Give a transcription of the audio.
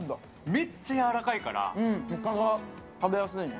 めっちゃやわらかいから、いかが食べやすいね。